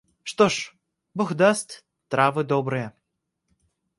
Что ж, Бог даст, травы добрые.